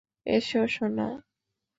এসো, সোনা।